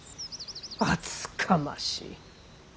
厚かましい。